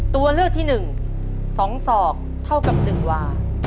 ตัวเลือกที่๑๒ศอกเท่ากับ๑วา